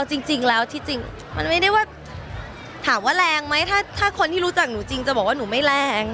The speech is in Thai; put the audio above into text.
จริงแล้วที่จริงมันไม่ได้ว่าถามว่าแรงไหมถ้าคนที่รู้จักหนูจริงจะบอกว่าหนูไม่แรง